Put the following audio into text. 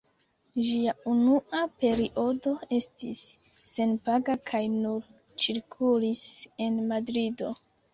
Ĝia unua periodo estis senpaga kaj nur cirkulis en Madrido.